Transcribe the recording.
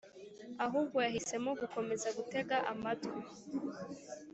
ahubwo yahisemo gukomeza gutega amatwi